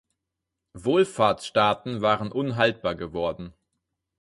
Wohlfahrtsstaaten waren unhaltbar geworden.